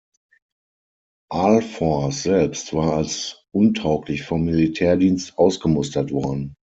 Ahlfors selbst war als untauglich vom Militärdienst ausgemustert worden.